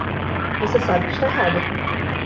Você sabe que está errado.